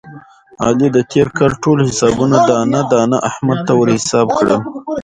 علي د تېر کال ټول حسابونه دانه دانه احمد ته ور حساب کړل.